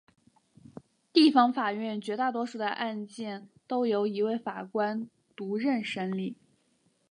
地方法院绝大多数的案件都由一位法官独任审理。